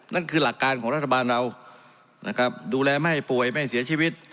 นั่นคือหลักการของรัฐบาลเรานะครับดูแลไม่ป่วยไม่เสียชีวิต